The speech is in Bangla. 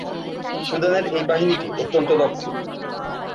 সুদানের এই বাহিনীটি অত্যন্ত দক্ষ।